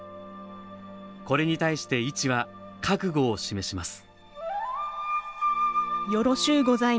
これに対して、いちは、覚悟を示します。